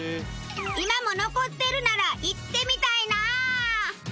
今も残ってるなら行ってみたいな！